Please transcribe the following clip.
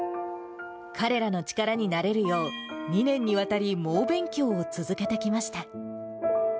彼らの力になれるよう、２年にわたり猛勉強を続けてきました。